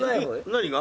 何が？